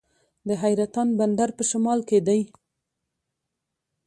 د حیرتان بندر په شمال کې دی